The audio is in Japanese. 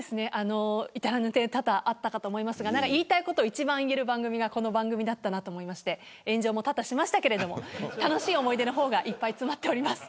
至らぬ点多々あったかと思いますが言いたいことを一番言える番組がこの番組だったと思いまして炎上も多々しましたが楽しい思い出の方がいっぱい詰まっております。